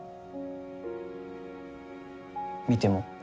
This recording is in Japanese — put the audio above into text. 見ても？